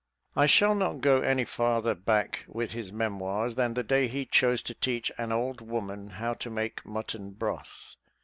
I shall not go any farther back with his memoirs than the day he chose to teach an old woman how to make mutton broth.